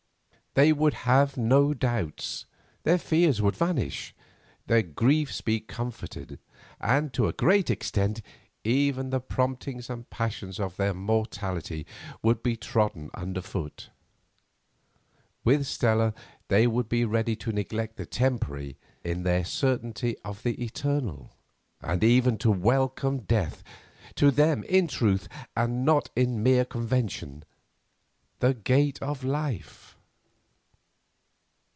They would have no doubts; their fears would vanish; their griefs be comforted, and, to a great extent, even the promptings and passions of their mortality would be trodden under foot. With Stella they would be ready to neglect the temporary in their certainty of the eternal, and even to welcome death, to them in truth, and not in mere convention, the Gate of Life.